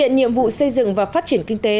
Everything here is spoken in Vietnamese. nhiệm vụ xây dựng và phát triển kinh tế